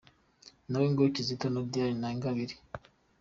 Nawe ngo Kizito na Diane na Ingabire.